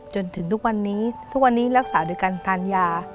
จนถึงทุกวันนี้ทุกวันนี้รักษาโดยการทานยา